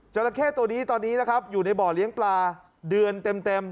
ราเข้ตัวนี้ตอนนี้นะครับอยู่ในบ่อเลี้ยงปลาเดือนเต็ม